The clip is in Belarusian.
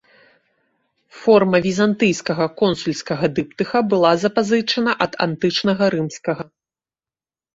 Форма візантыйскага консульскага дыптыха была запазычана ад антычнага рымскага.